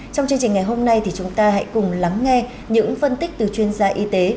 trong chương trình ngày hôm nay thì chúng ta hãy cùng lắng nghe những phân tích từ chuyên gia y tế